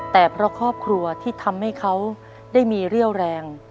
แต่เพราะครอบครัวที่ทำให้เขาได้มีเรี่ยวแรง